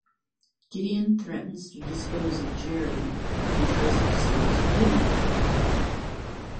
Gideon threatens to dispose of Jerry if he tries to dispose of Gideon again.